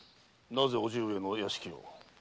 なぜ伯父上のお屋敷を？